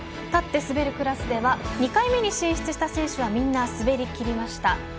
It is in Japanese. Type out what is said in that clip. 立って滑るクラスでは２回目に進出した選手はみんな滑りきりました。